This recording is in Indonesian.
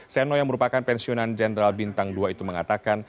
seno yang merupakan pensiunan jenderal bintang dua itu mengatakan